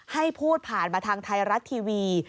ให้พูดผ่านมาทางไทยรัฐทีวี